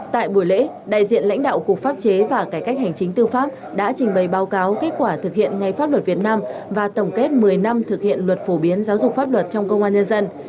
tại buổi lễ đại diện lãnh đạo cục pháp chế và cải cách hành chính tư pháp đã trình bày báo cáo kết quả thực hiện ngay pháp luật việt nam và tổng kết một mươi năm thực hiện luật phổ biến giáo dục pháp luật trong công an nhân dân